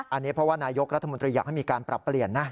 อันนี้เพราะว่านายกรัฐมนตรีอยากให้มีการปรับเปลี่ยนนะ